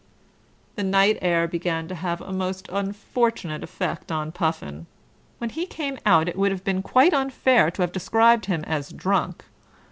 The night air began to have a most unfortunate effect on Puffin. When he came out it would have been quite unfair to have described him as drunk.